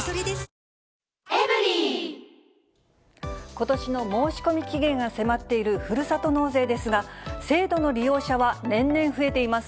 ことしの申し込み期限が迫っているふるさと納税ですが、制度の利用者は年々増えています。